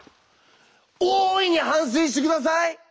大いに反省して下さい。